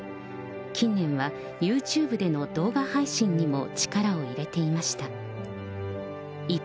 近年はユーチューブでの動画配信にも力を入れていました。